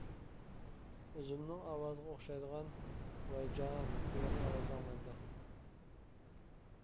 ئۆزۈمنىڭ ئاۋازىغا ئوخشايدىغان «ۋايجان! » دېگەن ئاۋاز ئاڭلاندى.